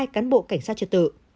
hai cán bộ cảnh sát trợ tự